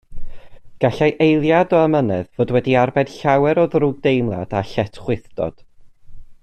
Gallai eiliad o amynedd fod wedi arbed llawer o ddrwgdeimlad a lletchwithdod